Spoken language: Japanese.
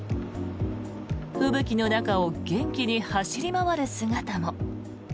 吹雪の中を元気に走り回る姿も。